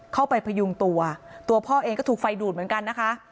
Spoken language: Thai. พยุงตัวตัวพ่อเองก็ถูกไฟดูดเหมือนกันนะคะ